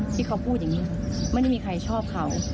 ที่เขาพูดอย่างนี้ไม่ได้มีใครชอบเขา